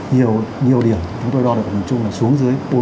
nhiều điểm chúng tôi đo được của miền trung là xuống dưới bốn mươi năm